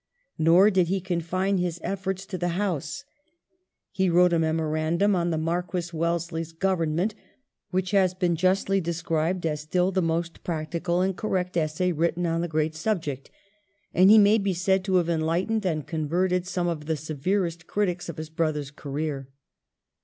Nor did he confine his efforts to the House. He wrote a memorandum on the Marquess Wellesley's Government, which has been justly described as still the most practical and correct essay written on the great subject ; and he may be said to have en lightened and converted some of the severest critics of his brother's career.